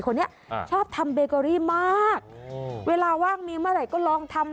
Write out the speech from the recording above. คนนี้อ่าชอบทำเบเกอรี่มากเวลาว่างมีเมื่อไหร่ก็ลองทำ